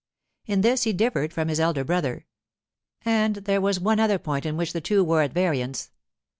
In this he differed from his elder brother. And there was one other point in which the two were at variance.